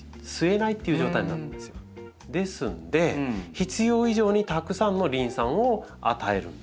ですので必要以上にたくさんのリン酸を与えるんです。